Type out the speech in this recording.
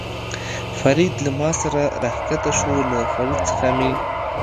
فرید له ما سره را کښته شو، له فرید څخه مې.